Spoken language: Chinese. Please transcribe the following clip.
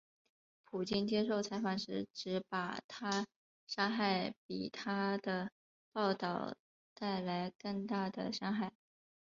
普京接受采访时指把她杀害比她的报导带来更大的伤害。